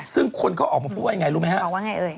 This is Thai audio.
ซึ่งคนเขาก็ออกมาพูดว่าอย่างไรรู้ไหมครับโอเค